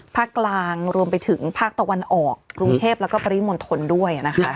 ภาคกลางรวมไปถึงภาคตะวันออกกรุงเทพแล้วก็ปริมณฑลด้วยนะคะ